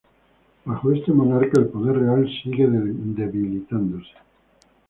Bajo este monarca, el poder real sigue debilitándose.